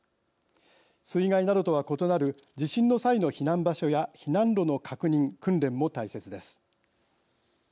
水害などとは異なる地震の際の避難場所や避難路の確認訓練も大切です。